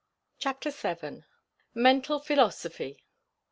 CHAPTER VII. MENTAL PHILOSOPHY.